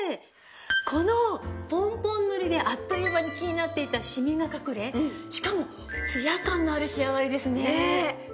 このポンポン塗りであっという間に気になっていたシミが隠れしかもツヤ感のある仕上がりですね。